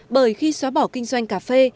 bởi khi xóa bỏ kinh doanh cà phê